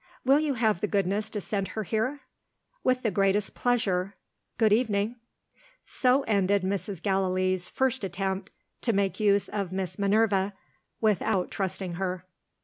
"Will you have the goodness to send her here?" "With the greatest pleasure. Good evening!" So ended Mrs. Gallilee's first attempt to make use of Miss Minerva, without trusting her.